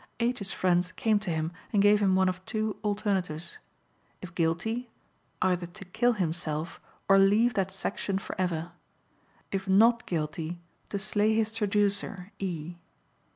H.'s friends came to him and gave him one of two alternatives: if guilty, either to kill himself or leave that section forever; if not guilty, to slay his traducer, E.